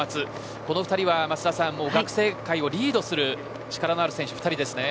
この２人は学生界をリードする力のある選手２人ですね。